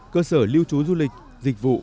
cơ sở lưu trú du lịch dịch vụ